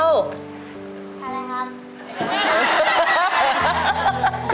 อะไรครับ